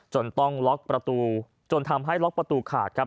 ต้องล็อกประตูจนทำให้ล็อกประตูขาดครับ